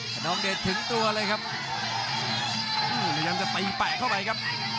คนนองเดชน์ถึงตัวเลยครับอื้มระยังจะตีแปะเข้าไปครับ